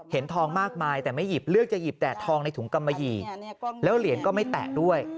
ทองมากมายแต่ไม่หยิบเลือกจะหยิบแต่ทองในถุงกำมะหยี่แล้วเหรียญก็ไม่แตะด้วย